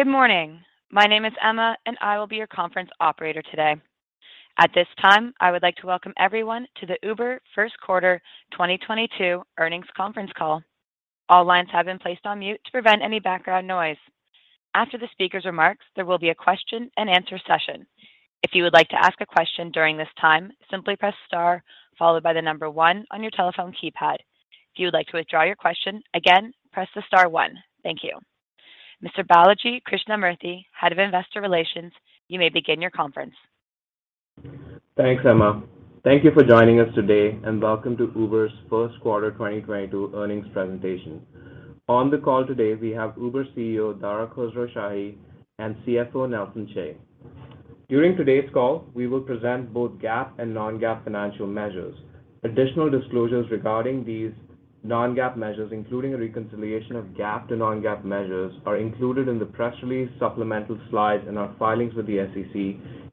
Good morning. My name is Emma, and I will be your conference operator today. At this time, I would like to welcome everyone to the Uber Q1 2022 Earnings Conference Call. All lines have been placed on mute to prevent any background noise. After the speaker's remarks, there will be a question and answer session. If you would like to ask a question during this time, simply press star followed by the number one on your telephone keypad. If you would like to withdraw your question, again, press the star one. Thank you. Mr. Balaji Krishnamurthy, Head of Investor Relations, you may begin your conference. Thanks, Emma. Thank you for joining us today, and welcome to Uber's Q1 2022 earnings presentation. On the call today, we have Uber CEO Dara Khosrowshahi and CFO Nelson Chai. During today's call, we will present both GAAP and non-GAAP financial measures. Additional disclosures regarding these non-GAAP measures, including a reconciliation of GAAP to non-GAAP measures, are included in the press release supplemental slides and our filings with the SEC,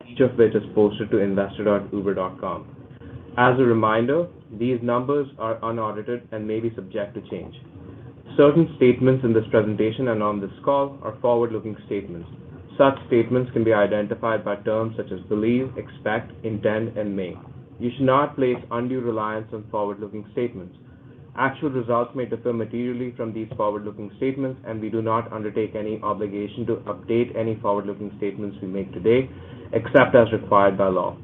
each of which is posted to investor.uber.com. As a reminder, these numbers are unaudited and may be subject to change. Certain statements in this presentation and on this call are forward-looking statements. Such statements can be identified by terms such as believe, expect, intend, and may. You should not place undue reliance on forward-looking statements. Actual results may differ materially from these forward-looking statements, and we do not undertake any obligation to update any forward-looking statements we make today, except as required by law.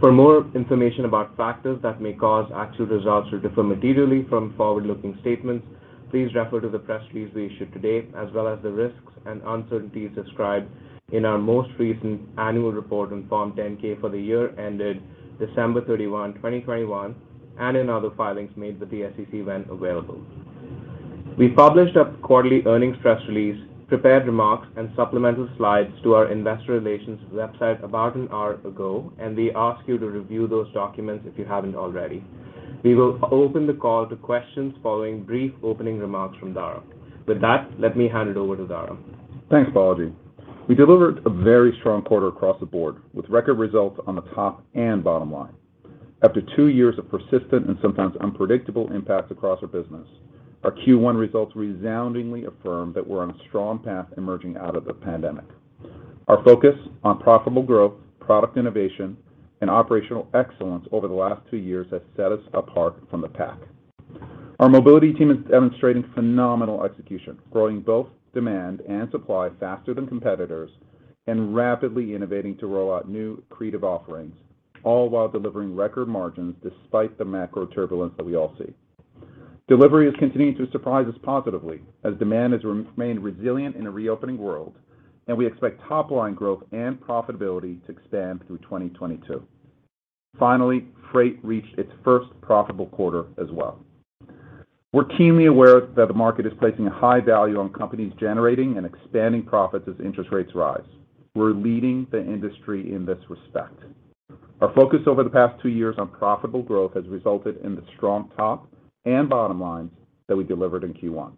For more information about factors that may cause actual results to differ materially from forward-looking statements, please refer to the press release we issued today, as well as the risks and uncertainties described in our most recent annual report on Form 10-K for the year ended December 31, 2021, and in other filings made with the SEC when available. We published our quarterly earnings press release, prepared remarks, and supplemental slides to our investor relations website about an hour ago, and we ask you to review those documents if you haven't already. We will open the call to questions following brief opening remarks from Dara. With that, let me hand it over to Dara. Thanks, Balaji. We delivered a very strong quarter across the board, with record results on the top and bottom line. After two years of persistent and sometimes unpredictable impacts across our business, our Q1 results resoundingly affirm that we're on a strong path emerging out of the pandemic. Our focus on profitable growth, product innovation, and operational excellence over the last two years has set us apart from the pack. Our mobility team is demonstrating phenomenal execution, growing both demand and supply faster than competitors and rapidly innovating to roll out new creative offerings, all while delivering record margins despite the macro turbulence that we all see. Delivery is continuing to surprise us positively as demand has remained resilient in a reopening world, and we expect top line growth and profitability to expand through 2022. Finally, Freight reached its first profitable quarter as well. We're keenly aware that the market is placing a high value on companies generating and expanding profits as interest rates rise. We're leading the industry in this respect. Our focus over the past two years on profitable growth has resulted in the strong top and bottom lines that we delivered in Q1.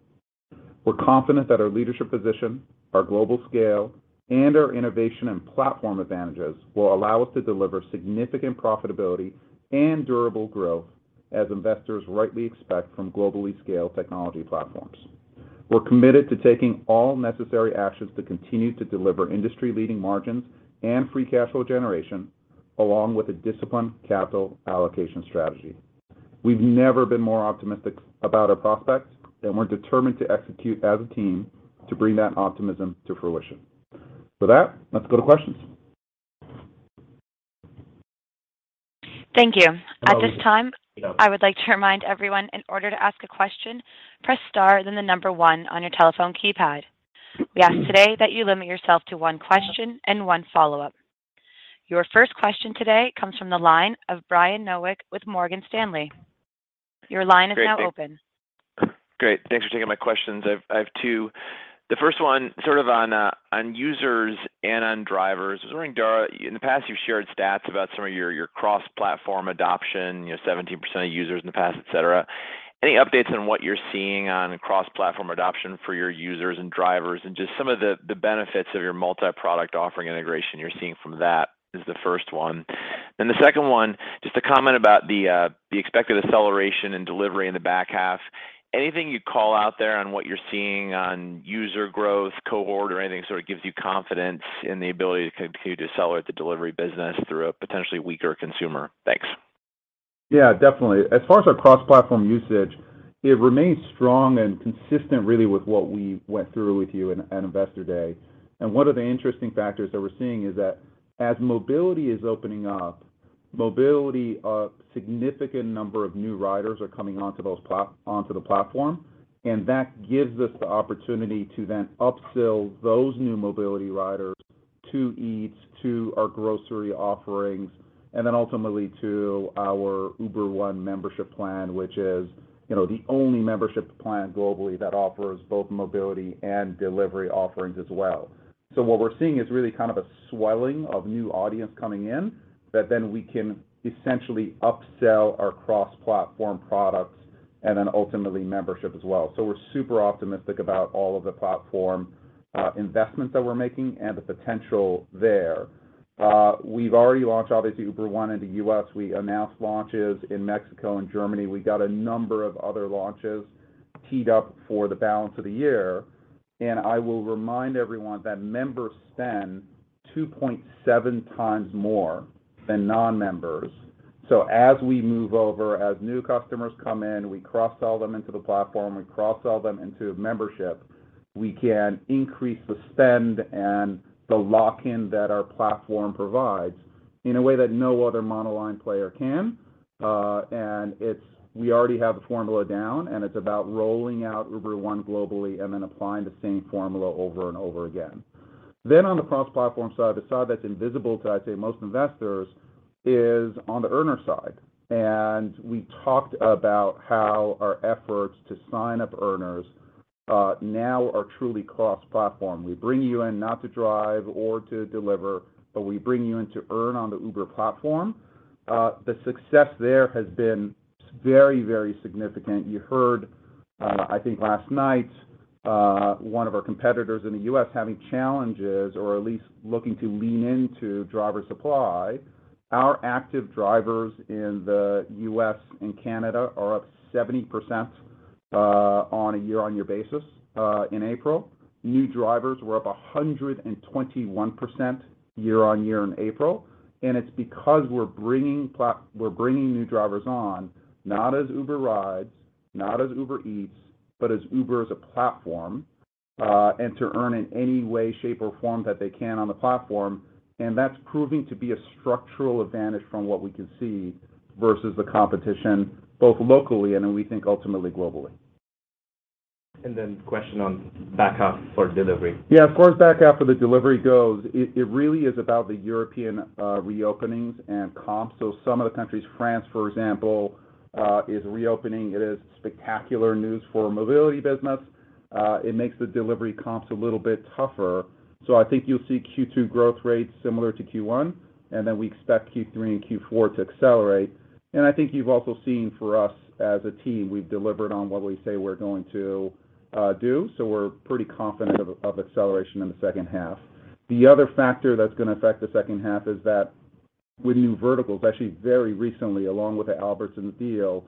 We're confident that our leadership position, our global scale, and our innovation and platform advantages will allow us to deliver significant profitability and durable growth as investors rightly expect from globally scaled technology platforms. We are committed to taking all necessary actions to continue to deliver industry-leading margins and free cash flow generation, along with a disciplined capital allocation strategy. We've never been more optimistic about our prospects, and we're determined to execute as a team to bring that optimism to fruition. With that, let's go to questions. Thank you. Balaji? At this time, I would like to remind everyone in order to ask a question, press star, then the number one on your telephone keypad. We ask today that you limit yourself to one question and one follow-up. Your first question today comes from the line of Brian Nowak with Morgan Stanley. Your line is now open. Great. Thanks for taking my questions. I have two. The first one sort of on users and on drivers. I was wondering, Dara, in the past, you've shared stats about some of your cross-platform adoption, you know, 17% of users in the past, et cetera. Any updates on what you're seeing on cross-platform adoption for your users and drivers and just some of the benefits of your multi-product offering integration you're seeing from that is the first one. Then the second one, just a comment about the expected acceleration and delivery in the back half. Anything you'd call out there on what you're seeing on user growth cohort or anything sort of gives you confidence in the ability to continue to accelerate the delivery business through a potentially weaker consumer? Thanks. Yeah, definitely. As far as our cross-platform usage, it remains strong and consistent really with what we went through with you at Investor Day. One of the interesting factors that we are seeing is that as mobility is opening up, a significant number of new riders are coming onto the platform, and that gives us the opportunity to then upsell those new mobility riders to Eats, to our grocery offerings, and then ultimately to our Uber One membership plan, which is, you know, the only membership plan globally that offers both mobility and delivery offerings as well. What we're seeing is really kind of a swelling of new audience coming in that then we can essentially upsell our cross-platform products and then ultimately membership as well. We are super optimistic about all of the platform investments that we're making and the potential there. We've already launched obviously Uber One in the U.S. We announced launches in Mexico and Germany. We got a number of other launches teed up for the balance of the year. I will remind everyone that members spend 2.7x more than non-members. As we move over, as new customers come in, we cross-sell them into the platform, we cross-sell them into membership, we can increase the spend and the lock-in that our platform provides in a way that no other monoline player can. We already have the formula down, and it's about rolling out Uber One globally and then applying the same formula over and over again. On the cross-platform side, the side that's invisible to, I'd say, most investors, is on the earner side. We talked about how our efforts to sign up earners, now are truly cross-platform. We bring you in not to drive or to deliver, but we bring you in to earn on the Uber platform. The success there has been very, very significant. You heard, I think last night, one of our competitors in the U.S. having challenges or at least looking to lean into driver supply. Our active drivers in the U.S. and Canada are up 70%, on a year-on-year basis, in April. New drivers were up 121% year-on-year in April. It's because we are bringing new drivers on, not as Uber Rides, not as Uber Eats, but as Uber as a platform, and to earn in any way, shape or form that they can on the platform. That's proving to be a structural advantage from what we can see versus the competition, both locally and then we think ultimately globally. Question on backup for delivery. Yeah, as far as backup for the delivery goes, it really is about the European reopenings and comps. Some of the countries, France, for example, is reopening. It is spectacular news for mobility business. It makes the delivery comps a little bit tougher. I think you'll see Q2 growth rates similar to Q1, and then we expect Q3 and Q4 to accelerate. I think you've also seen for us as a team, we've delivered on what we say we're going to do. We're pretty confident of acceleration in the second half. The other factor that's gonna affect the second half is that with new verticals, actually very recently along with the Albertsons deal,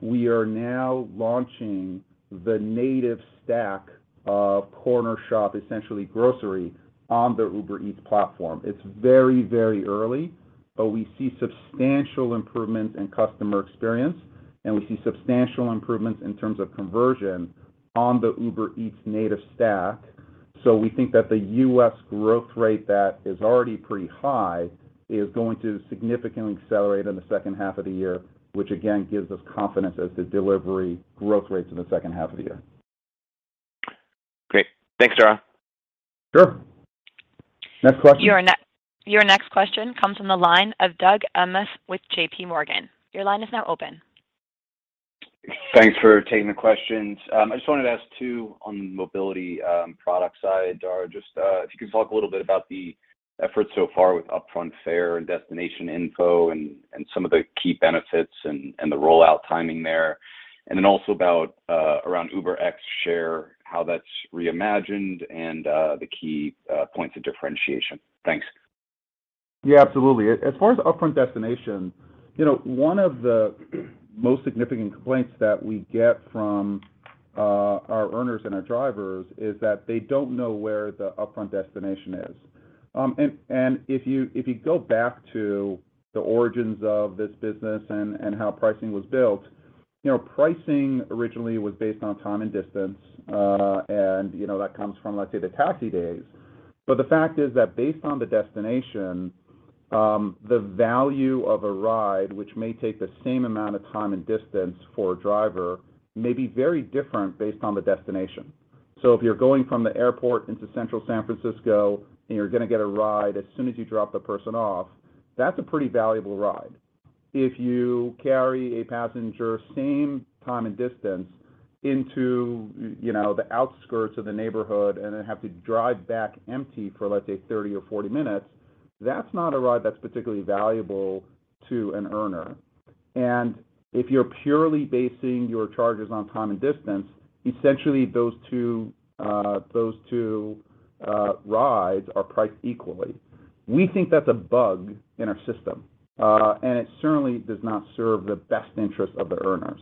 we are now launching the native stack of Cornershop, essentially grocery on the Uber Eats platform. It's very, very early, but we see substantial improvements in customer experience, and we see substantial improvements in terms of conversion on the Uber Eats native stack. We think that the U.S. growth rate that is already pretty high is going to significantly accelerate in the second half of the year, which again gives us confidence as to delivery growth rates in the second half of the year. Great. Thanks, Dara. Sure. Next question. Your next question comes from the line of Doug Anmuth with JP Morgan. Your line is now open. Thanks for taking the questions. I just wanted to ask too, on the mobility product side, Dara, just if you could talk a little bit about the efforts so far with upfront fare and destination info and some of the key benefits and the rollout timing there. Also about around UberX Share, how that's reimagined and the key points of differentiation. Thanks. Yeah, absolutely. As far as upfront destination, you know, one of the most significant complaints that we get from our earners and our drivers is that they don't know where the upfront destination is. And if you go back to the origins of this business and how pricing was built, you know, pricing originally was based on time and distance, and you know, that comes from, let's say, the taxi days. But the fact is that based on the destination, the value of a ride, which may take the same amount of time and distance for a driver, may be very different based on the destination. So if you are going from the airport into Central San Francisco, and you're gonna get a ride as soon as you drop the person off, that's a pretty valuable ride. If you carry a passenger same time and distance into, you know, the outskirts of the neighborhood and then have to drive back empty for, let's say, 30 or 40 minutes, that's not a ride that's particularly valuable to an earner. If you're purely basing your charges on time and distance, essentially those two rides are priced equally. We think that's a bug in our system, and it certainly does not serve the best interest of the earners.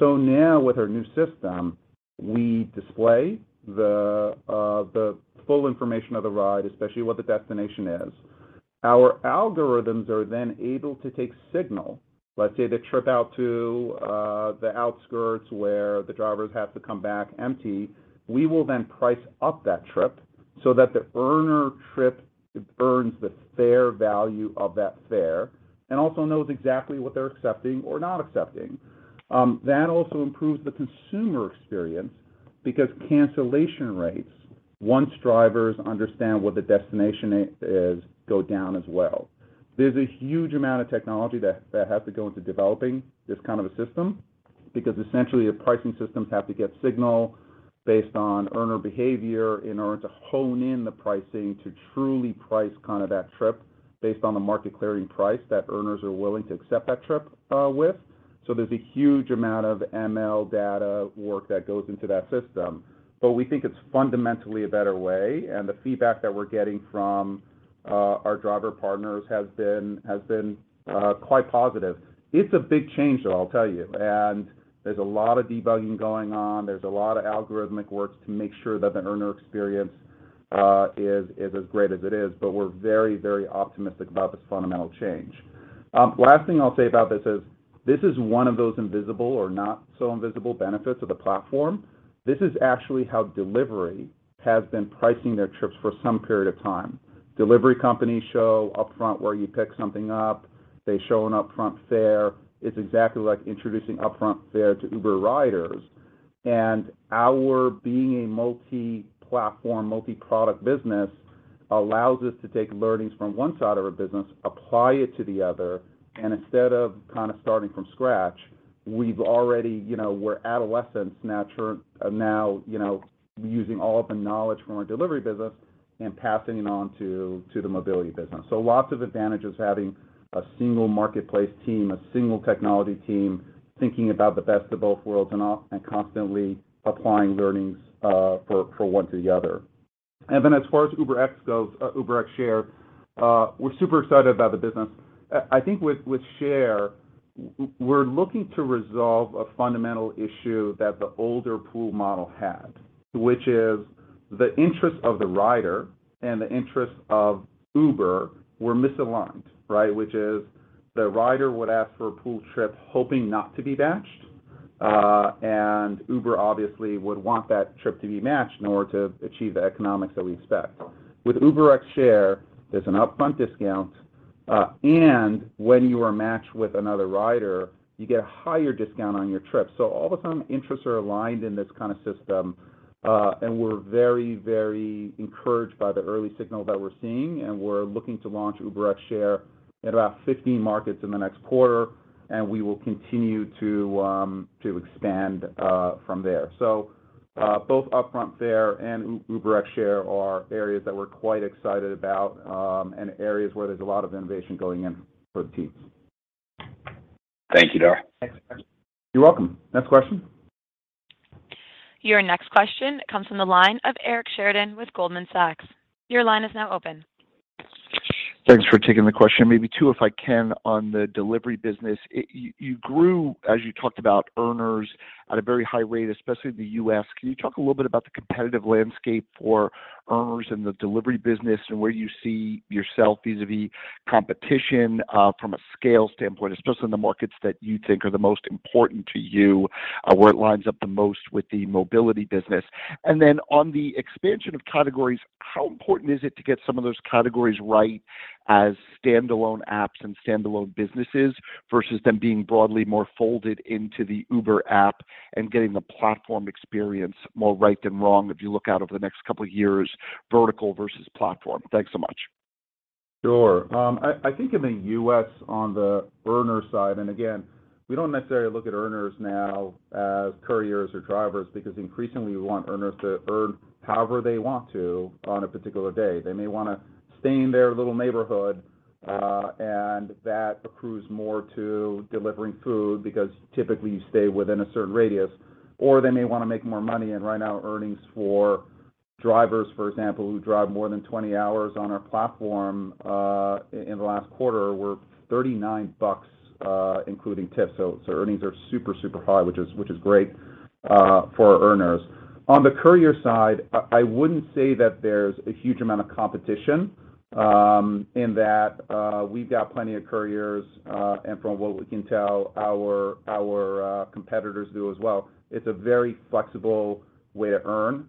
Now with our new system, we display the full information of the ride, especially what the destination is. Our algorithms are then able to take signal, let's say the trip out to, the outskirts where the drivers have to come back empty, we will then price up that trip so that the earner trip earns the fair value of that fare and also knows exactly what they're accepting or not accepting. That also improves the consumer experience because cancellation rates, once drivers understand what the destination is, go down as well. There's a huge amount of technology that has to go into developing this kind of a system because essentially the pricing systems have to get signal based on earner behavior in order to hone in the pricing to truly price kind of that trip based on the market clearing price that earners are willing to accept that trip with. So there is a huge amount of ML data work that goes into that system, but we think it's fundamentally a better way, and the feedback that we're getting from our driver partners has been quite positive. It's a big change though, I'll tell you, and there's a lot of debugging going on. There's a lot of algorithmic works to make sure that the earner experience is as great as it is, but we're very, very optimistic about this fundamental change. Last thing I'll say about this is, this is one of those invisible or not so invisible benefits of the platform. This is actually how delivery has been pricing their trips for some period of time. Delivery companies show upfront where you pick something up. They show an upfront fare. It's exactly like introducing upfront fare to Uber riders. Our being a multi-platform, multi-product business allows us to take learnings from one side of our business, apply it to the other, and instead of kind of starting from scratch, we've already, you know, we are adolescents now, you know, using all of the knowledge from our delivery business and passing it on to the mobility business. Lots of advantages having a single marketplace team, a single technology team, thinking about the best of both worlds and constantly applying learnings for one to the other. Then as far as UberX goes, UberX Share, we are super excited about the business. I think with Share, we are looking to resolve a fundamental issue that the older pool model had, which is the interest of the rider and the interest of Uber were misaligned, right? Which is the rider would ask for a pool trip hoping not to be batched, and Uber obviously would want that trip to be matched in order to achieve the economics that we expect. With UberX Share, there's an upfront discount, and when you are matched with another rider, you get a higher discount on your trip. All of a sudden, interests are aligned in this kind of system, and we're very, very encouraged by the early signals that we're seeing, and we're looking to launch UberX Share at about 15 markets in the next quarter, and we will continue to expand from there. Both upfront fare and UberX Share are areas that we're quite excited about, and areas where there's a lot of innovation going in for the team. Thank you, Dara. You're welcome. Next question. Your next question comes from the line of Eric Sheridan with Goldman Sachs. Your line is now open. Thanks for taking the question. Maybe two, if I can, on the delivery business. You grew, as you talked about, earners at a very high rate, especially in the U.S. Can you talk a little bit about the competitive landscape for earners in the delivery business and where you see yourself vis-a-vis competition, from a scale standpoint, especially in the markets that you think are the most important to you, where it lines up the most with the mobility business? On the expansion of categories, how important is it to get some of those categories right as standalone apps and standalone businesses versus them being broadly more folded into the Uber app and getting the platform experience more right than wrong if you look out over the next couple of years, vertical versus platform? Thanks so much. Sure. I think in the US on the earner side, and again, we don't necessarily look at earners now as couriers or drivers because increasingly we want earners to earn however they want to on a particular day. They may wanna stay in their little neighborhood, and that accrues more to delivering food because typically you stay within a certain radius. They may wanna make more money, and right now earnings for drivers, for example, who drive more than 20 hours on our platform, in the last quarter were $39, including tips. So earnings are super high, which is great for our earners. On the courier side, I wouldn't say that there's a huge amount of competition in that we've got plenty of couriers and from what we can tell, our competitors do as well. It's a very flexible way to earn,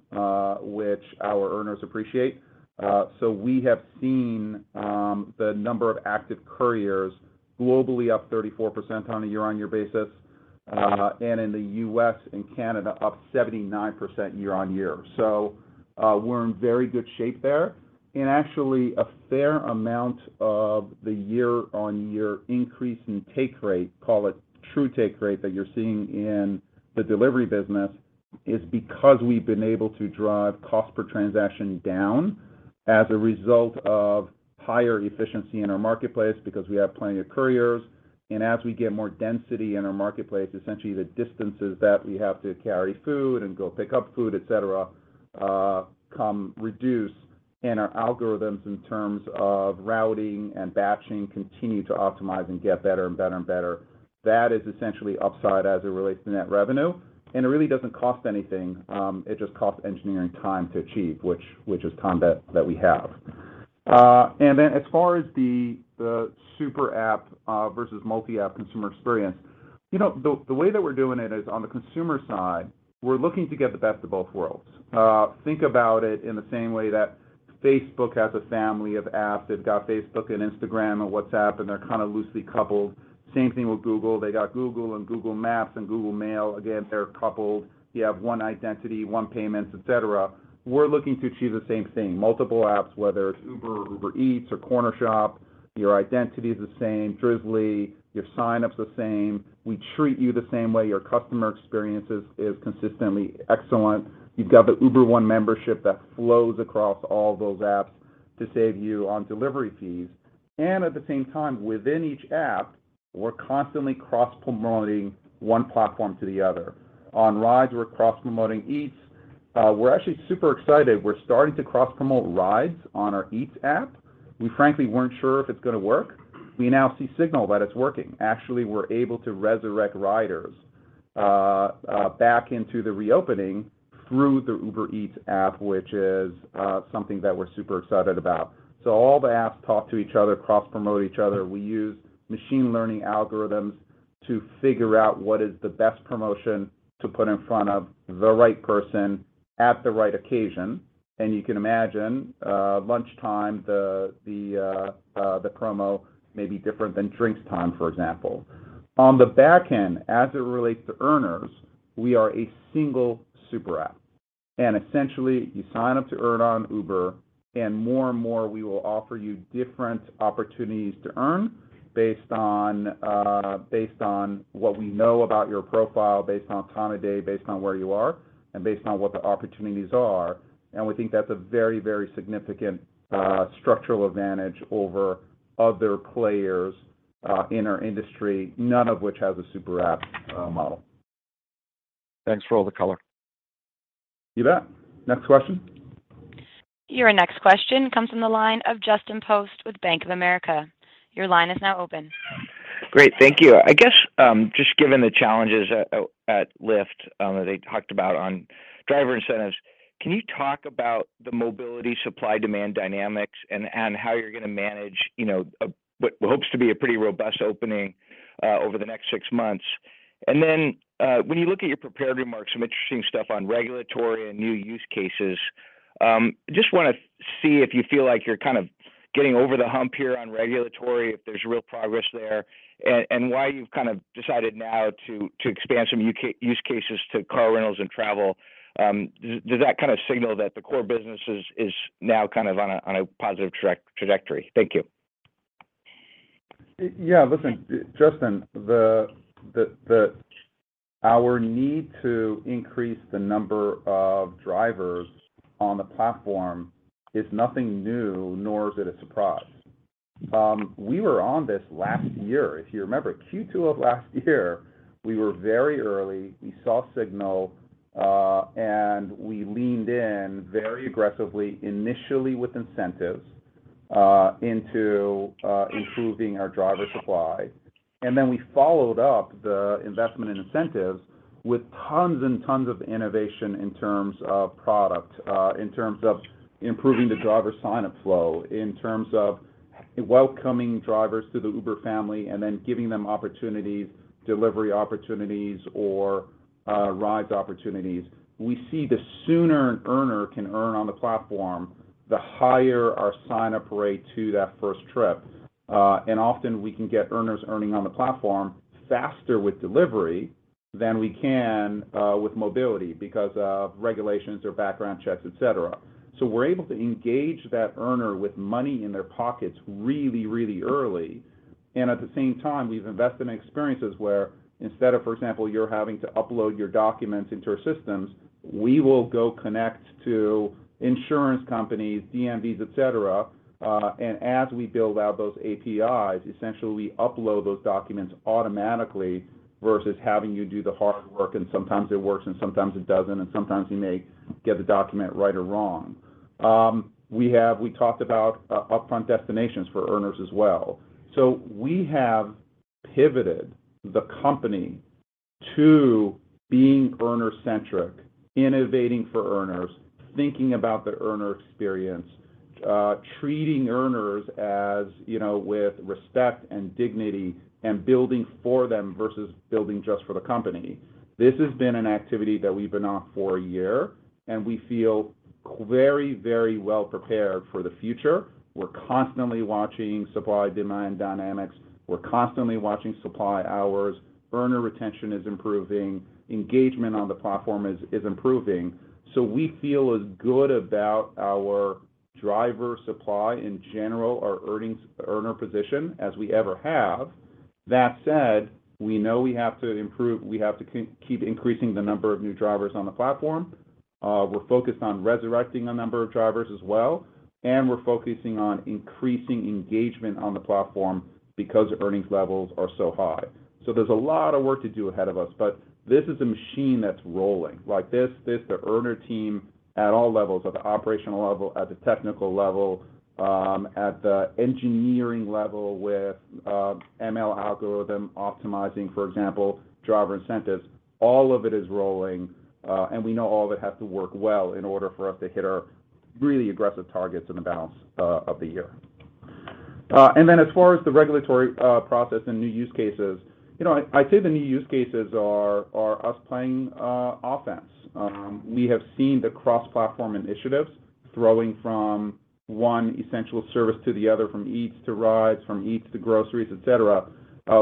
which our earners appreciate. We have seen the number of active couriers globally up 34% on a year-on-year basis and in the US and Canada up 79% year-on-year. We're in very good shape there. Actually a fair amount of the year-on-year increase in take rate, call it true take rate that you're seeing in the delivery business, is because we've been able to drive cost per transaction down as a result of higher efficiency in our marketplace because we have plenty of couriers. As we get more density in our marketplace, essentially the distances that we have to carry food and go pick up food, et cetera, become reduced. Our algorithms in terms of routing and batching continue to optimize and get better and better and better. That is essentially upside as it relates to net revenue. It really doesn't cost anything, it just costs engineering time to achieve which is time that we have. As far as the super app versus multi-app consumer experience, you know, the way that we're doing it is on the consumer side, we're looking to get the best of both worlds. Think about it in the same way that Facebook has a family of apps. They have got Facebook and Instagram and WhatsApp, and they're kind of loosely coupled. Same thing with Google. They got Google and Google Maps and Gmail. Again, they are coupled. You have one identity, one payments, et cetera. We're looking to achieve the same thing. Multiple apps, whether it's Uber or Uber Eats or Cornershop, your identity is the same. Drizly, your sign up's the same. We treat you the same way. Your customer experience is consistently excellent. You've got the Uber One membership that flows across all those apps to save you on delivery fees. At the same time, within each app, we're constantly cross-promoting one platform to the other. On Rides, we are cross-promoting Eats. We're actually super excited. We're starting to cross-promote Rides on our Eats app. We frankly weren't sure if it's gonna work. We now see signal that it's working. Actually, we're able to resurrect riders back into the reopening through the Uber Eats app, which is something that we are super excited about. All the apps talk to each other, cross-promote each other. We use machine learning algorithms to figure out what is the best promotion to put in front of the right person at the right occasion. You can imagine lunchtime, the promo may be different than drinks time, for example. On the back end, as it relates to earners, we are a single super app. Essentially, you sign up to earn on Uber, and more and more, we will offer you different opportunities to earn based on what we know about your profile, based on time of day, based on where you are, and based on what the opportunities are. We think that's a very, very significant structural advantage over other players in our industry, none of which has a super app model. Thanks for all the color. You bet. Next question. Your next question comes from the line of Justin Post with Bank of America. Your line is now open. Great. Thank you. I guess, just given the challenges at Lyft that they talked about on driver incentives, can you talk about the mobility supply-demand dynamics and how you're gonna manage, you know, what hopes to be a pretty robust opening over the next six months? Then, when you look at your prepared remarks, some interesting stuff on regulatory and new use cases, just wanna see if you feel like you're kind of getting over the hump here on regulatory, if there is real progress there, and why you've kind of decided now to expand some use cases to car rentals and travel. Does that kind of signal that the core business is now kind of on a positive trajectory? Thank you. Yeah. Listen, Justin, our need to increase the number of drivers on the platform is nothing new, nor is it a surprise. We were on this last year. If you remember Q2 of last year, we were very early. We saw signal, and we leaned in very aggressively, initially with incentives, into improving our driver supply. Then we followed up the investment in incentives with tons and tons of innovation in terms of product, in terms of improving the driver sign-up flow, in terms of welcoming drivers to the Uber family, and then giving them opportunities, delivery opportunities or rides opportunities. We see the sooner an earner can earn on the platform, the higher our sign-up rate to that first trip. Often, we can get earners earning on the platform faster with delivery than we can with mobility because of regulations or background checks, et cetera. We're able to engage that earner with money in their pockets really, really early. At the same time, we've invested in experiences where instead of, for example, you're having to upload your documents into our systems, we will go connect to insurance companies, DMVs, et cetera, and as we build out those APIs, essentially, we upload those documents automatically versus having you do the hard work, and sometimes it works, and sometimes it doesn't, and sometimes you may get the document right or wrong. We talked about upfront destinations for earners as well. We have pivoted the company to being earner-centric, innovating for earners, thinking about the earner experience, treating earners as, you know, with respect and dignity and building for them versus building just for the company. This has been an activity that we've been on for a year, and we feel very, very well prepared for the future. We're constantly watching supply-demand dynamics. We are constantly watching supply hours. Earner retention is improving. Engagement on the platform is improving. We feel as good about our driver supply in general or earner position as we ever have. That said, we know we have to improve. We have to keep increasing the number of new drivers on the platform. We're focused on resurrecting the number of drivers as well, and we're focusing on increasing engagement on the platform because earnings levels are so high. There's a lot of work to do ahead of us, but this is a machine that's rolling. Like this, the entire team at all levels, at the operational level, at the technical level, at the engineering level with ML algorithm optimizing, for example, driver incentives, all of it is rolling, and we know all of it has to work well in order for us to hit our really aggressive targets in the balance of the year. As far as the regulatory process and new use cases, you know, I'd say the new use cases are us playing offense. We have seen the cross-platform initiatives flowing from one essential service to the other, from Eats to Rides, from Eats to groceries, et cetera.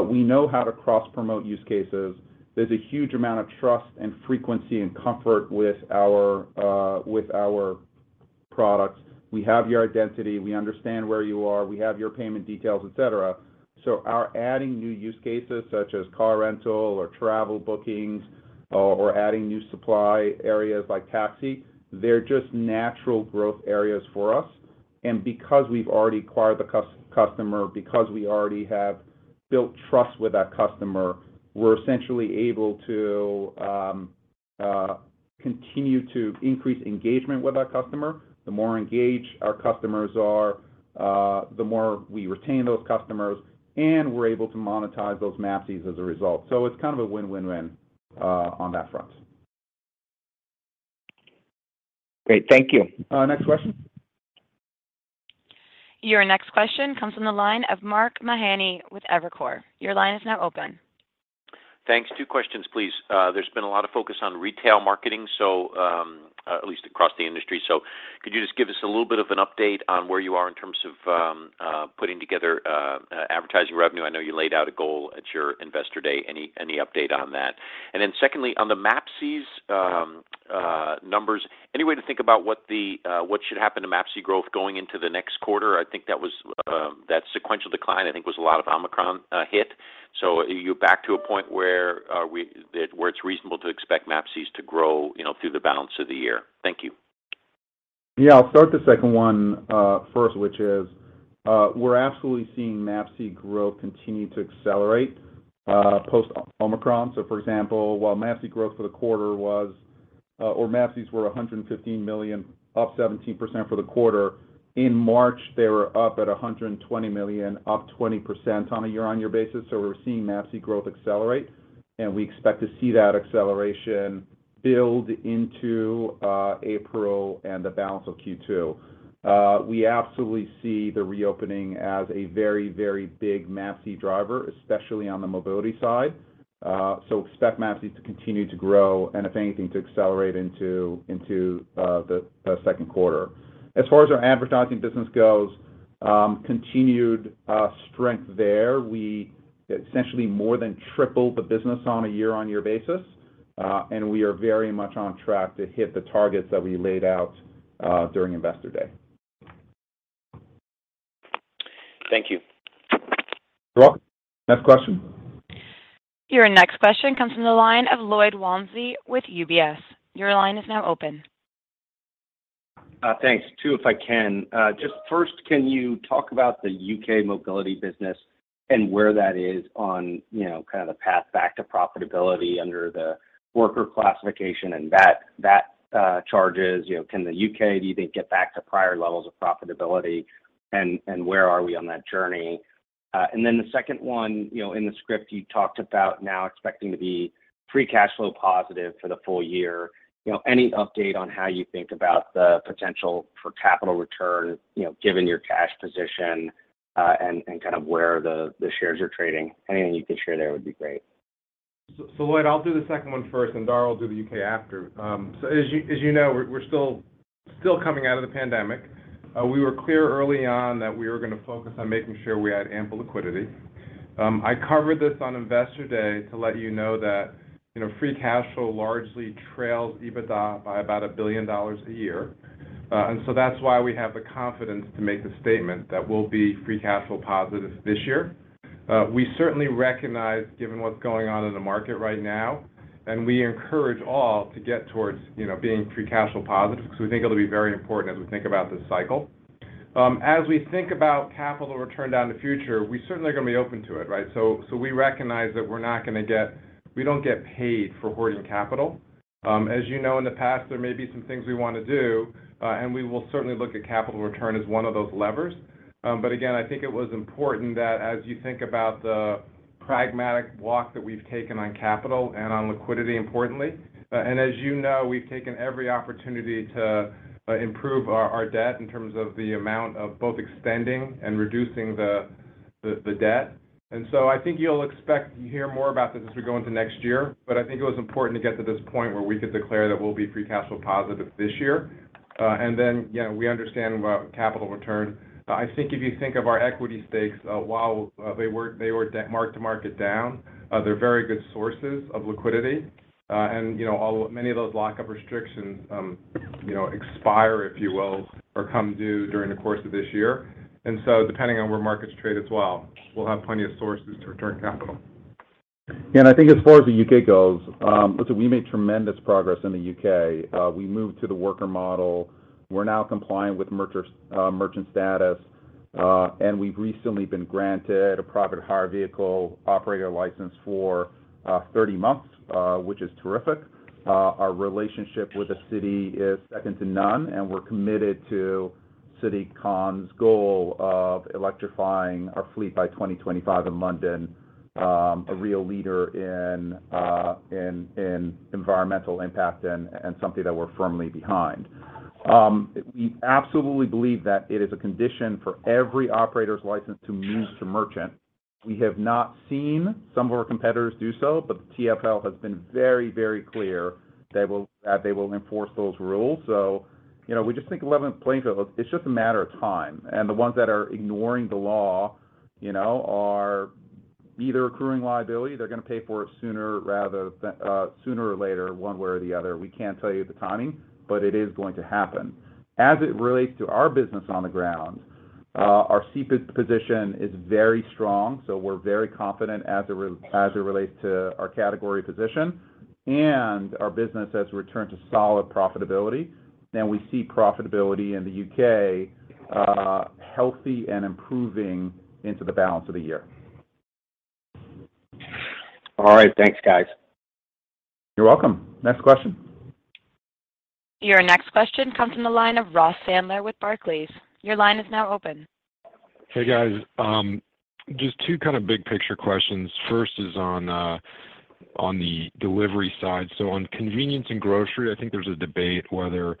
We know how to cross-promote use cases. There's a huge amount of trust and frequency and comfort with our products. We have your identity. We understand where you are. We have your payment details, et cetera. Our adding new use cases, such as car rental or travel bookings. Adding new supply areas like taxi, they are just natural growth areas for us. Because we've already acquired the customer, because we already have built trust with that customer, we're essentially able to continue to increase engagement with our customer. The more engaged our customers are, the more we retain those customers, and we're able to monetize those MAPCs as a result. It's kind of a win-win-win on that front. Great. Thank you. Next question. Your next question comes from the line of Mark Mahaney with Evercore. Your line is now open. Thanks. Two questions, please. There's been a lot of focus on retail marketing, so, at least across the industry. Could you just give us a little bit of an update on where you are in terms of putting together advertising revenue? I know you laid out a goal at your Investor Day. Any update on that? Secondly, on the MAPCs numbers, any way to think about what should happen to MAPC growth going into the next quarter? I think that was that sequential decline, I think was a lot of Omicron hit. Are you back to a point where it's reasonable to expect MAPCs to grow, you know, through the balance of the year? Thank you. Yeah. I'll start the second one, first, which is, we are absolutely seeing MAPC growth continue to accelerate, post Omicron. For example, while MAPCs were 115 million, up 17% for the quarter, in March, they were up at 120 million, up 20% on a year-over-year basis. We're seeing MAPC growth accelerate, and we expect to see that acceleration build into April and the balance of Q2. We absolutely see the reopening as a very, very big MAPC driver, especially on the mobility side. Expect MAPC to continue to grow and if anything, to accelerate into the Q2. As far as our advertising business goes, continued strength there. We essentially more than tripled the business on a year-on-year basis, and we are very much on track to hit the targets that we laid out during Investor Day. Thank you. You're welcome. Next question. Your next question comes from the line of Lloyd Walmsley with UBS. Your line is now open. Thanks. Two, if I can. Just first, can you talk about the UK mobility business and where that is on, you know, kind of the path back to profitability under the worker classification and VAT charges? You know, can the UK, do you think, get back to prior levels of profitability, and where are we on that journey? Then the second one, you know, in the script, you talked about now expecting to be free cash flow positive for the full year. You know, any update on how you think about the potential for capital return, you know, given your cash position, and kind of where the shares are trading? Anything you could share there would be great. Lloyd, I'll do the second one first, and Dara will do the UK after. As you know, we're still coming out of the pandemic. We were clear early on that we were gonna focus on making sure we had ample liquidity. I covered this on Investor Day to let you know that free cash flow largely trails EBITDA by about $1 billion a year. That's why we have the confidence to make the statement that we'll be free cash flow positive this year. We certainly recognize given what's going on in the market right now, and we encourage all to get towards being free cash flow positive because we think it'll be very important as we think about this cycle. As we think about capital return in the future, we certainly are gonna be open to it, right? We recognize that we're not gonna get paid for hoarding capital. As you know, in the past, there may be some things we wanna do, and we will certainly look at capital return as one of those levers. Again, I think it was important that as you think about the pragmatic walk that we've taken on capital and on liquidity, importantly. As you know, we've taken every opportunity to improve our debt in terms of the amount of both extending and reducing the debt. I think you'll expect to hear more about this as we go into next year. I think it was important to get to this point where we could declare that we'll be free cash flow positive this year. We understand about capital return. I think if you think of our equity stakes, while they were marked-to-market down, they are very good sources of liquidity. You know, many of those lockup restrictions, you know, expire, if you will, or come due during the course of this year. Depending on where markets trade as well, we'll have plenty of sources to return capital. Yeah. I think as far as the UK goes, listen, we made tremendous progress in the UK. We moved to the worker model. We're now compliant with worker status, and we've recently been granted a private hire vehicle operator license for 30 months, which is terrific. Our relationship with the city is second to none, and we are committed to Khan's goal of electrifying our fleet by 2025 in London, a real leader in environmental impact and something that we're firmly behind. We absolutely believe that it is a condition for every operator's license to move to worker. We have not seen some of our competitors do so, but the TfL has been very clear that they will enforce those rules. You know, we just think level playing field, it's just a matter of time. The ones that are ignoring the law, you know, are either accruing liability, they're gonna pay for it sooner or later, one way or the other. We can't tell you the timing, but it is going to happen. As it relates to our business on the ground, our category position is very strong, so we're very confident as it relates to our category position, and our business has returned to solid profitability. We see profitability in the UK healthy and improving into the balance of the year. All right. Thanks, guys. You're welcome. Next question. Your next question comes from the line of Ross Sandler with Barclays. Your line is now open. Hey, guys. Just two kind of big picture questions. First is on the delivery side. On convenience and grocery, I think there's a debate whether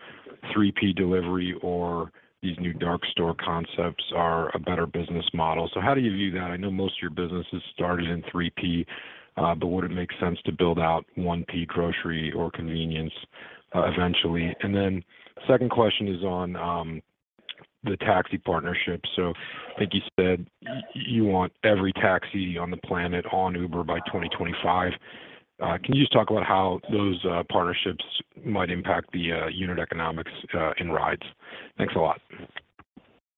3P delivery or these new dark store concepts are a better business model. How do you view that? I know most of your businesses started in 3P, but would it make sense to build out 1P grocery or convenience eventually? Second question is on the taxi partnership. I think you said you want every taxi on the planet on Uber by 2025. Can you just talk about how those partnerships might impact the unit economics in rides? Thanks a lot.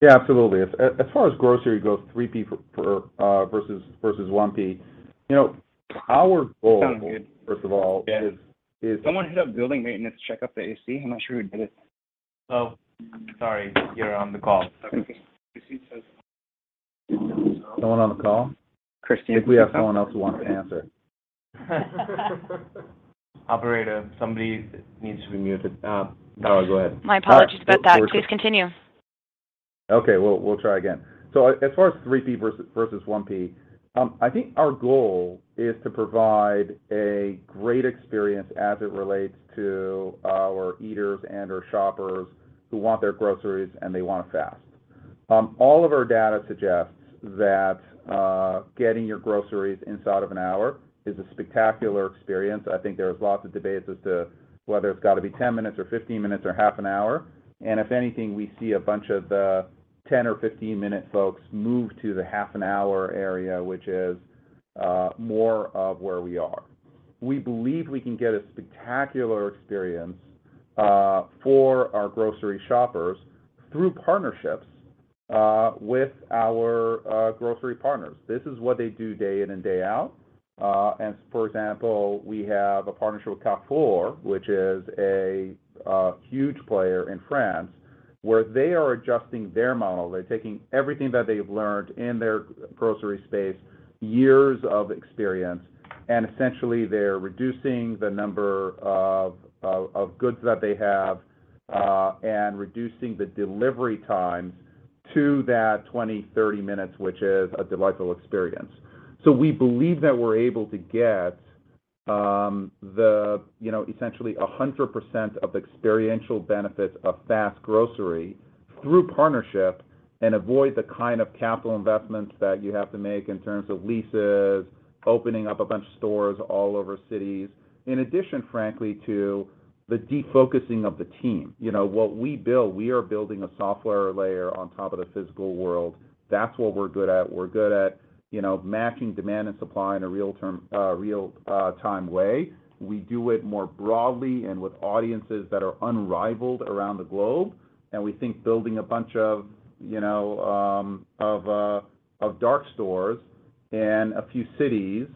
Yeah, absolutely. As far as grocery goes, 3P for versus 1P, you know, our goal- Sound good. First of all is. Someone hit up building maintenance to check out the AC. I'm not sure who did it. Oh, sorry, you're on the call. Someone on the call? Christian. If we have someone else who wants to answer. Operator, somebody needs to be muted. No, go ahead. My apologies about that. Please continue. Okay. We'll try again. As far as 3P versus 1P, I think our goal is to provide a great experience as it relates to our eaters and our shoppers who want their groceries, and they want it fast. All of our data suggests that, getting your groceries inside of an hour is a spectacular experience. I think there's lots of debates as to whether it's got to be 10 minutes or 15 minutes or half an hour. If anything, we see a bunch of the 10- or 15-minute folks move to the half an hour area, which is more of where we are. We believe we can get a spectacular experience for our grocery shoppers through partnerships with our grocery partners. This is what they do day in and day out. For example, we have a partnership with Carrefour, which is a huge player in France, where they are adjusting their model. They're taking everything that they've learned in their grocery space, years of experience, and essentially they're reducing the number of goods that they have and reducing the delivery times to that 20-30 minutes, which is a delightful experience. We believe that we're able to get, you know, essentially 100% of the experiential benefits of fast grocery through partnership and avoid the kind of capital investments that you have to make in terms of leases, opening up a bunch of stores all over cities. In addition, frankly, to the defocusing of the team. You know, what we build, we are building a software layer on top of the physical world. That's what we're good at. We're good at, you know, matching demand and supply in a real-time way. We do it more broadly and with audiences that are unrivaled around the globe. We think building a bunch of, you know, dark stores in a few cities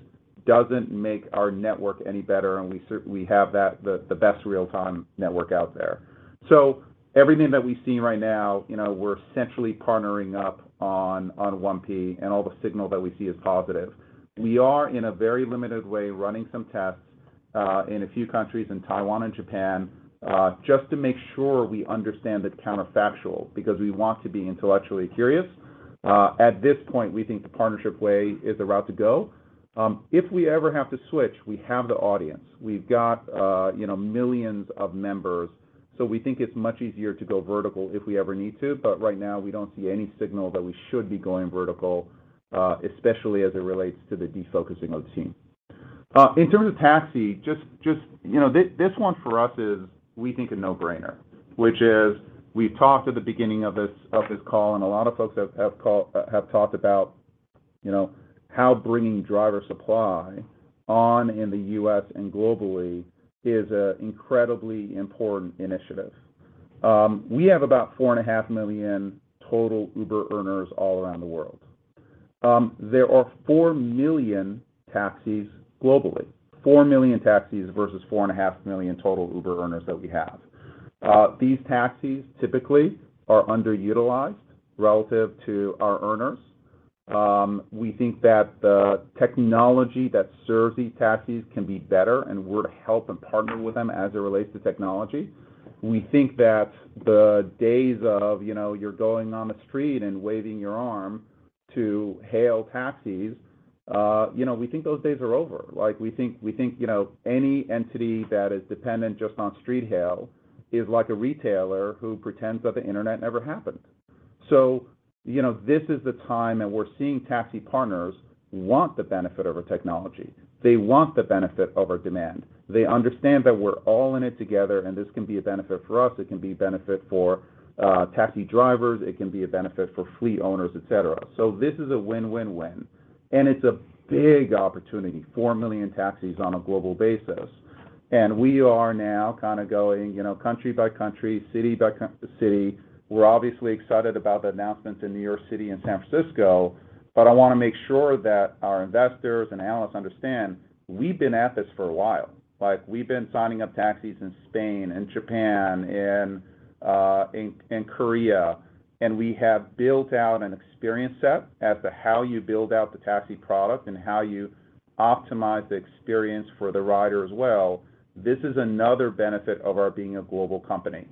doesn't make our network any better. We have the best real-time network out there. Everything that we've seen right now, you know, we are essentially partnering up on 1P, and all the signal that we see is positive. We are in a very limited way running some tests in a few countries in Taiwan and Japan just to make sure we understand it's counterfactual because we want to be intellectually curious. At this point, we think the partnership way is the route to go. If we ever have to switch, we have the audience. We've got you know, millions of members, so we think it's much easier to go vertical if we ever need to. Right now, we don't see any signal that we should be going vertical, especially as it relates to the defocusing of the team. In terms of taxi, just you know, this one for us is we think a no-brainer, which is we've talked at the beginning of this call, and a lot of folks have talked about you know, how bringing driver supply online in the U.S. and globally is an incredibly important initiative. We have about 4.5 million total Uber earners all around the world. There are 4 million taxis globally. 4 million taxis versus 4.5 million total Uber earners that we have. These taxis typically are underutilized relative to our earners. We think that the technology that serves these taxis can be better, and we're to help and partner with them as it relates to technology. We think that the days of, you know, you're going on the street and waving your arm to hail taxis, you know, we think those days are over. Like, we think, you know, any entity that is dependent just on street hail is like a retailer who pretends that the internet never happened. You know, this is the time, and we're seeing taxi partners want the benefit of our technology. They want the benefit of our demand. They understand that we're all in it together, and this can be a benefit for us. It can be a benefit for taxi drivers. It can be a benefit for fleet owners, et cetera. This is a win, win, and it's a big opportunity, 4 million taxis on a global basis. We are now kind of going, you know, country by country, city by city. We're obviously excited about the announcements in New York City and San Francisco, but I wanna make sure that our investors and analysts understand we've been at this for a while. Like, we've been signing up taxis in Spain and Japan and in Korea, and we have built out an experience set as to how you build out the taxi product and how you optimize the experience for the rider as well. This is another benefit of our being a global company.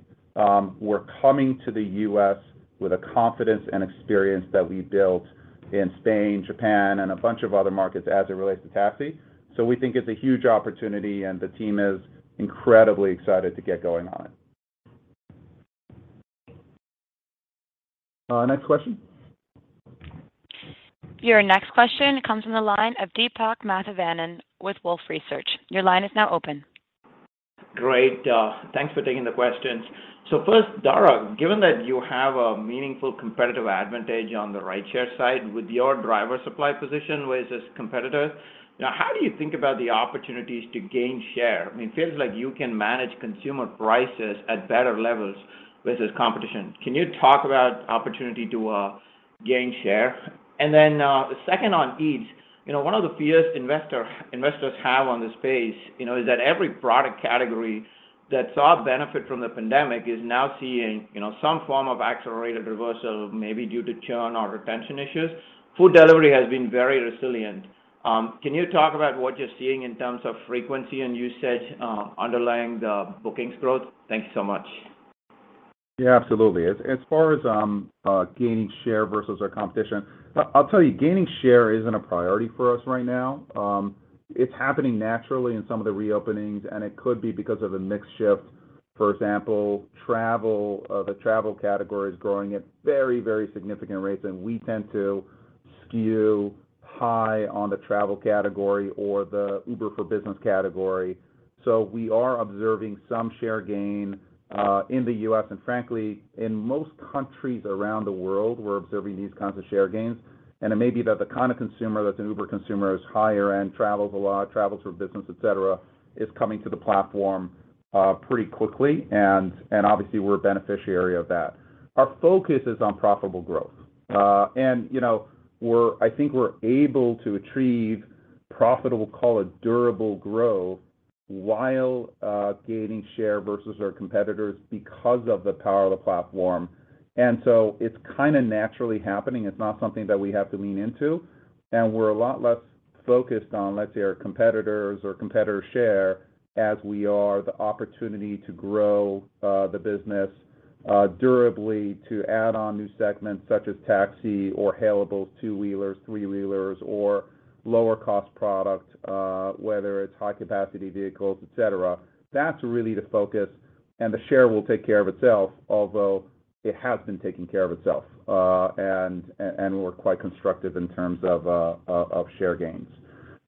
We're coming to the US with a confidence and experience that we built in Spain, Japan, and a bunch of other markets as it relates to taxi. We think it's a huge opportunity, and the team is incredibly excited to get going on it. Next question. Your next question comes from the line of Deepak Mathivanan with Wolfe Research. Your line is now open. Great. Thanks for taking the questions. First, Dara, given that you have a meaningful competitive advantage on the rideshare side with your driver supply position versus competitors, you know, how do you think about the opportunities to gain share? I mean, it feels like you can manage consumer prices at better levels versus competition. Can you talk about opportunity to gain share? Second on Eats, you know, one of the fears investors have on this space, you know, is that every product category that saw benefit from the pandemic is now seeing, you know, some form of accelerated reversal, maybe due to churn or retention issues. Food delivery has been very resilient. Can you talk about what you're seeing in terms of frequency and usage underlying the bookings growth? Thank you so much. Yeah, absolutely. As far as gaining share versus our competition, I'll tell you, gaining share isn't a priority for us right now. It's happening naturally in some of the reopenings, and it could be because of a mix shift. For example, travel, the travel category is growing at very, very significant rates, and we tend to skew high on the travel category or the Uber for Business category. So we are observing some share gain in the U.S., and frankly, in most countries around the world, we're observing these kinds of share gains. It may be that the kind of consumer that's an Uber consumer is higher end, travels a lot, travels for business, et cetera, is coming to the platform pretty quickly, and obviously, we are a beneficiary of that. Our focus is on profitable growth. You know, I think we're able to achieve profitable, call it durable growth, while gaining share versus our competitors because of the power of the platform. It's kinda naturally happening. It's not something that we have to lean into. We are a lot less focused on, let's say, our competitors or competitor share as we are the opportunity to grow the business durably to add on new segments, such as taxi or hailables, two-wheelers, three-wheelers, or lower-cost product, whether it's high-capacity vehicles, et cetera. That's really the focus, and the share will take care of itself, although it has been taking care of itself. We are quite constructive in terms of share gains.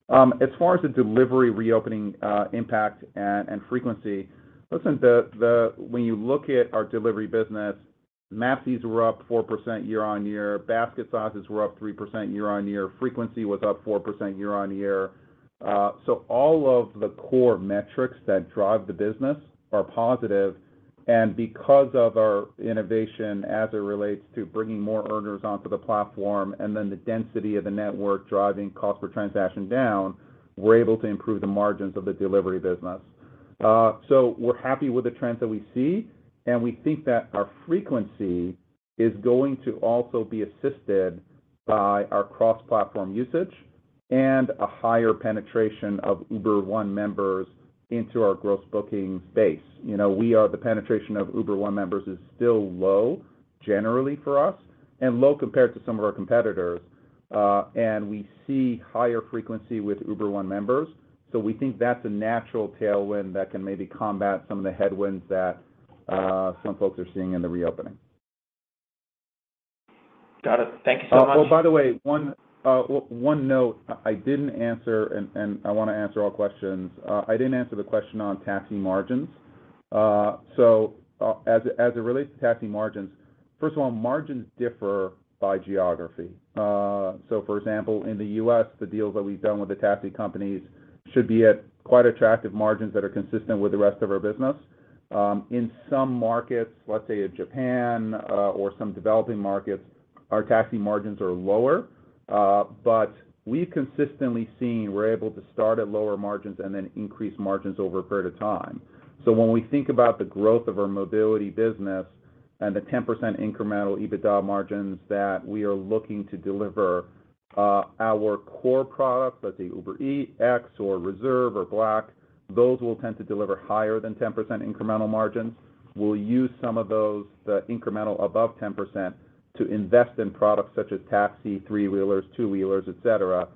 As far as the delivery reopening impact and frequency, listen, when you look at our delivery business, MAPCs were up 4% year-on-year, basket sizes were up 3% year-on-year, frequency was up 4% year-on-year. So all of the core metrics that drive the business are positive. Because of our innovation as it relates to bringing more earners onto the platform and then the density of the network driving cost per transaction down, we're able to improve the margins of the delivery business. So we are happy with the trends that we see, and we think that our frequency is going to also be assisted by our cross-platform usage and a higher penetration of Uber One members into our gross booking base. You know, the penetration of Uber One members is still low generally for us and low compared to some of our competitors, and we see higher frequency with Uber One members. We think that's a natural tailwind that can maybe combat some of the headwinds that some folks are seeing in the reopening. Got it. Thank you so much. Oh, by the way, one note I didn't answer, and I wanna answer all questions. I didn't answer the question on taxi margins. As it relates to taxi margins, first of all, margins differ by geography. For example, in the U.S., the deals that we've done with the taxi companies should be at quite attractive margins that are consistent with the rest of our business. In some markets, let's say in Japan, or some developing markets, our taxi margins are lower, but we've consistently seen we're able to start at lower margins and then increase margins over a period of time. When we think about the growth of our mobility business and the 10% incremental EBITDA margins that we are looking to deliver, our core products, let's say Uber Eats, UberX, or Uber Reserve or Uber Black, those will tend to deliver higher than 10% incremental margins. We'll use some of those, the incremental above 10%, to invest in products such as taxi, three-wheelers, two-wheelers, et cetera,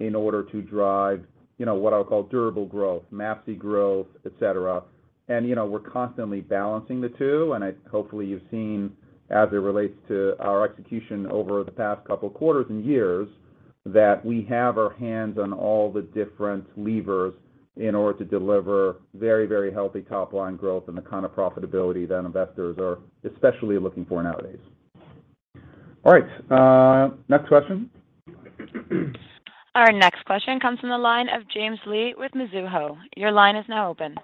in order to drive, you know, what I'll call durable growth, MAPC-y growth, et cetera. You know, we're constantly balancing the two, and hopefully you've seen as it relates to our execution over the past couple quarters and years, that we have our hands on all the different levers in order to deliver very, very healthy top-line growth and the kind of profitability that investors are especially looking for nowadays. All right. Next question. Our next question comes from the line of James Lee with Mizuho. Your line is now open.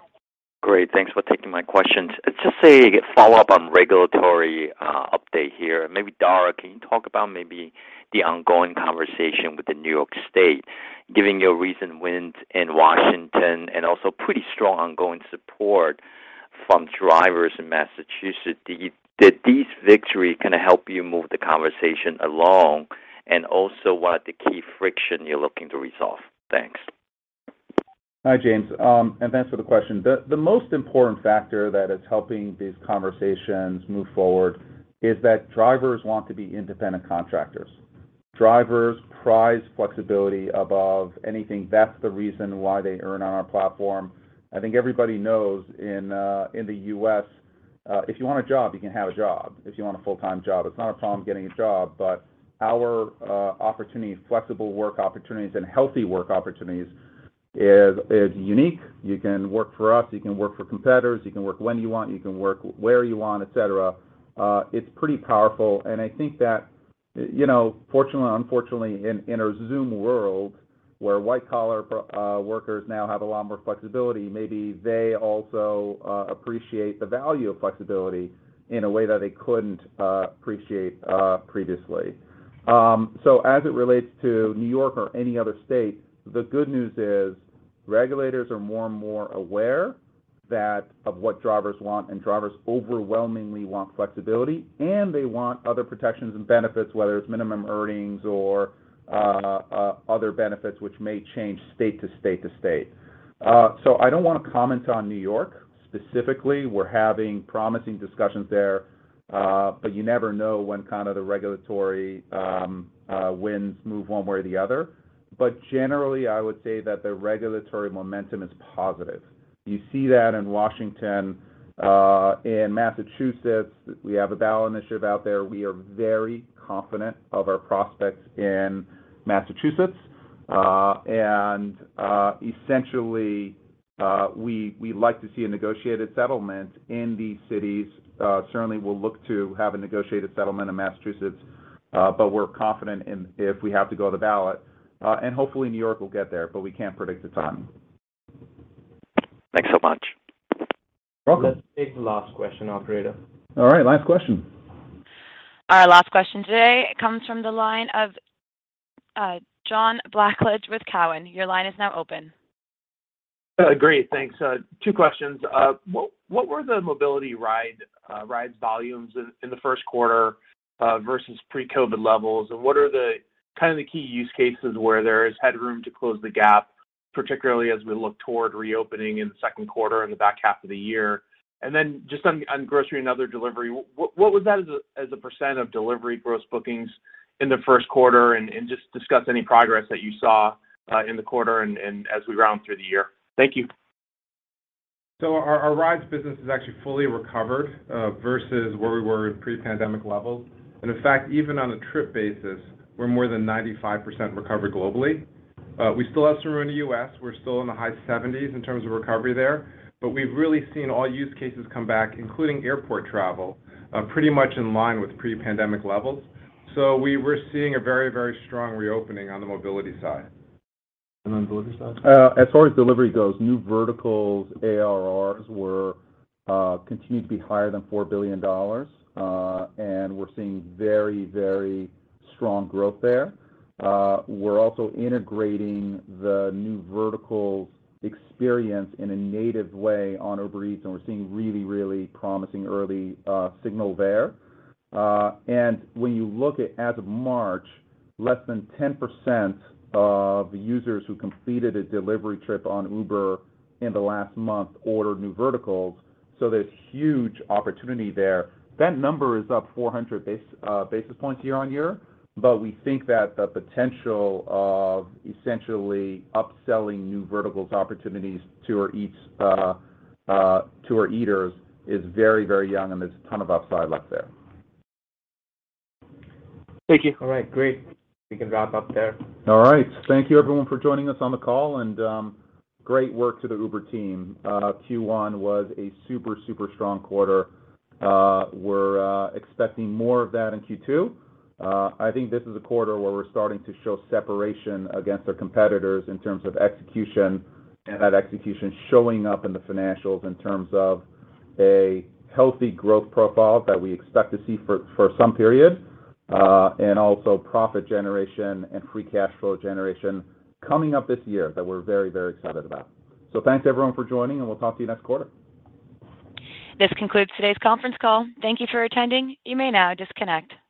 Great. Thanks for taking my questions. It's just a follow-up on regulatory update here. Maybe Dara, can you talk about maybe the ongoing conversation with the New York State, giving you a recent win in Washington and also pretty strong ongoing support from drivers in Massachusetts. Did these victory kinda help you move the conversation along? And also, what are the key friction you're looking to resolve? Thanks. Hi, James, and thanks for the question. The most important factor that is helping these conversations move forward is that drivers want to be independent contractors. Drivers prize flexibility above anything. That's the reason why they earn on our platform. I think everybody knows in the U.S., if you want a job, you can have a job. If you want a full-time job, it's not a problem getting a job. Our opportunities, flexible work opportunities and healthy work opportunities is unique. You can work for us, you can work for competitors, you can work when you want, you can work where you want, et cetera. It's pretty powerful. I think that, you know, fortunately or unfortunately, in a Zoom world, where white collar workers now have a lot more flexibility, maybe they also appreciate the value of flexibility in a way that they couldn't appreciate previously. As it relates to New York or any other state, the good news is regulators are more and more aware of what drivers want, and drivers overwhelmingly want flexibility, and they want other protections and benefits, whether it's minimum earnings or other benefits which may change state to state. I don't wanna comment on New York specifically. We're having promising discussions there, but you never know when kinda the regulatory winds move one way or the other. Generally, I would say that the regulatory momentum is positive. You see that in Washington, in Massachusetts. We have a ballot initiative out there. We are very confident of our prospects in Massachusetts. Essentially, we like to see a negotiated settlement in these cities. Certainly we'll look to have a negotiated settlement in Massachusetts, but we're confident in if we have to go to ballot. Hopefully New York will get there, but we can't predict the time. Thanks so much. You're welcome. Let's take the last question, operator. All right, last question. Our last question today comes from the line of John Blackledge with Cowen. Your line is now open. Great. Thanks. Two questions. What were the mobility ride volumes in the Q1 versus pre-COVID levels? What are the kind of key use cases where there is headroom to close the gap, particularly as we look toward reopening in the Q2 and the back half of the year? Just on grocery and other delivery, what was that as a % of delivery gross bookings in the Q1? Just discuss any progress that you saw in the quarter and as we round through the year. Thank you. Our rides business is actually fully recovered versus where we were at pre-pandemic levels. In fact, even on a trip basis, we're more than 95% recovered globally. We still have some room in the U.S. We're still in the high 70s% in terms of recovery there, but we've really seen all use cases come back, including airport travel, pretty much in line with pre-pandemic levels. We are seeing a very, very strong reopening on the mobility side. On delivery side? As far as delivery goes, new verticals ARR was continue to be higher than $4 billion. We're seeing very, very strong growth there. We're also integrating the new verticals experience in a native way on Uber Eats, and we're seeing really, really promising early signal there. When you look at as of March, less than 10% of users who completed a delivery trip on Uber in the last month ordered new verticals, so there's huge opportunity there. That number is up 400 basis points year-over-year, but we think that the potential of essentially upselling new verticals opportunities to our Eats to our eaters is very, very young, and there's a ton of upside left there. Thank you. All right, great. We can wrap up there. All right. Thank you everyone for joining us on the call and great work to the Uber team. Q1 was a super strong quarter. We're expecting more of that in Q2. I think this is a quarter where we're starting to show separation against our competitors in terms of execution, and that execution showing up in the financials in terms of a healthy growth profile that we expect to see for some period and also profit generation and free cash flow generation coming up this year that we're very excited about. Thanks everyone for joining, and we'll talk to you next quarter. This concludes today's conference call. Thank you for attending. You may now disconnect.